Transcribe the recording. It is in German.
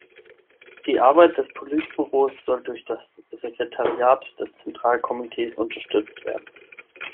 Die Arbeit des Politbüros soll durch das Sekretariat des Zentralkomitees unterstützt werden.